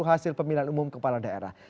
hasil pemilihan umum kepala daerah